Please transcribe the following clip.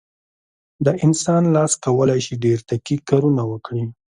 د انسان لاس کولی شي ډېر دقیق کارونه وکړي.